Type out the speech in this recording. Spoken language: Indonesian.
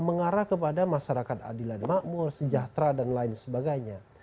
mengarah kepada masyarakat adilan makmur sejahtera dan lain sebagainya